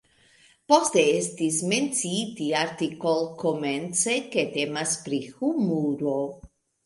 Poste estis menciite artikol-komence, ke temas pri humuro.